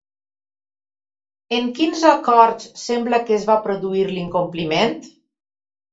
En quins acords sembla que es va produir l'incompliment?